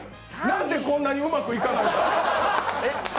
なんでこんなにうまくいかないんだ？